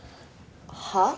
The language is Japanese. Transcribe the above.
はあ？